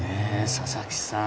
佐々木さん